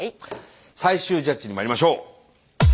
最終ジャッジにまいりましょう！